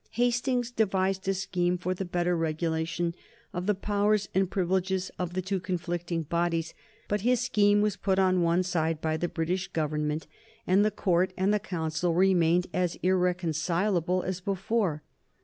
Hastings devised a scheme for the better regulation of the powers and privileges of the two conflicting bodies, but his scheme was put on one side by the British Government, and the Court and the Council remained as irreconcilable as before.